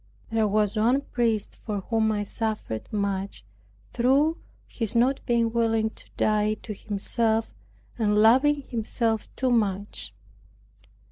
There was one priest for whom I suffered much, through his not being willing to die to himself, and loving himself too much.